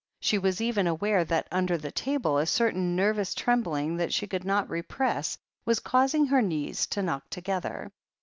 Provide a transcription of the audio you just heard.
She was even aware that, under the table, a certain nervous trembling that she could not repress was causing her knees to knock together.